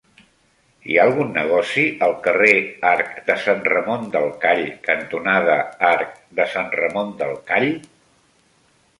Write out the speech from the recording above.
Hi ha algun negoci al carrer Arc de Sant Ramon del Call cantonada Arc de Sant Ramon del Call?